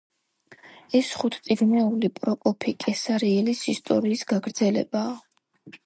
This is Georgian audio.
ეს ხუთწიგნეული პროკოფი კესარიელის ისტორიის გაგრძელებაა.